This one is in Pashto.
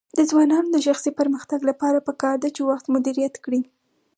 د ځوانانو د شخصي پرمختګ لپاره پکار ده چې وخت مدیریت کړي.